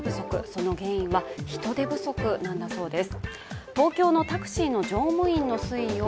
その原因は人手不足なんだそうです。